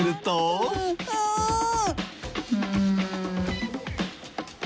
うん。